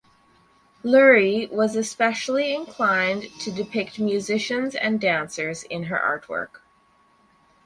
Lurie was especially inclined to depict musicians and dancers in her artwork.